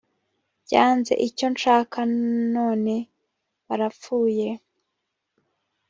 byanze icyo nshaka none barapfuye